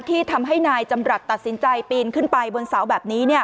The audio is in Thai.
ที่ทำให้นายจำรัฐตัดสินใจปีนขึ้นไปบนเสาแบบนี้